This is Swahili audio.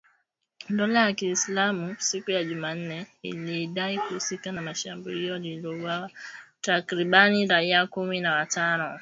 Dola ya Kiislamu, siku ya Jumanne, ilidai kuhusika na shambulizi lililoua takribani raia kumi na watano,